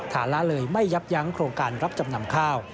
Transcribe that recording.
ละเลยไม่ยับยั้งโครงการรับจำนำข้าว